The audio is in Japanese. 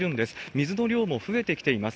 水の量も増えてきています。